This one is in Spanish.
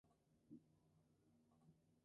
Fue autor de un gran número de comedias y novelas.